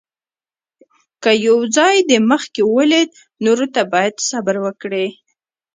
که یو ځای دې مخکې ولید، نورو ته باید صبر وکړې.